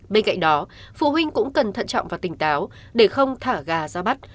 bên cạnh đó phụ huynh cũng cần thận trọng và tỉnh táo để không thả gà ra bắt